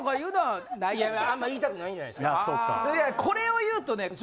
これを言うとね。